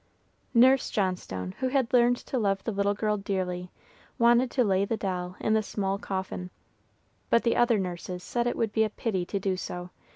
Nurse Johnstone, who had learned to love the little girl dearly, wanted to lay the doll in the small coffin; but the other nurses said it would be a pity to do so.